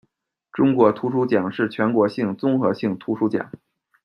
中国图书奖是全国性、综合性图书奖。